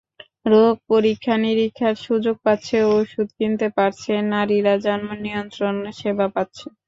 রোগ পরীক্ষা-নিরীক্ষার সুযোগ পাচ্ছে, ওষুধ কিনতে পারছে, নারীরা জন্মনিয়ন্ত্রণ সেবা পাচ্ছে।